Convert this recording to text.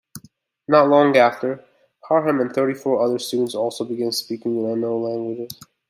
Not long after, Parham and thirty-four other students also began speaking in unknown languages.